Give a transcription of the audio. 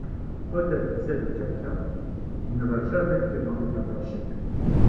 Odette disait de quelqu’un :— Il ne va jamais que dans les endroits chics.